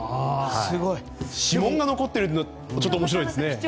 指紋が残っているのが面白いですね。